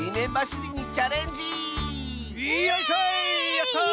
やった！